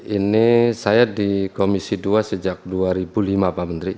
ini saya di komisi dua sejak dua ribu lima pak menteri